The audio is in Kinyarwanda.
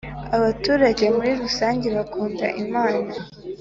Abaturage muri rusange bakunda imana.